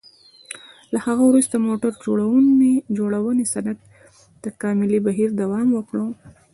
له هغه وروسته موټر جوړونې صنعت تکاملي بهیر دوام وکړ.